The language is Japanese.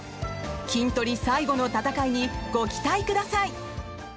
キントリ最後の戦いにご期待ください。